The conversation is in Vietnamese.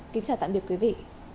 kính chào tạm biệt quý vị